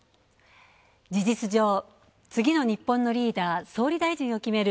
事実上、次の日本のリーダー総理大臣を決める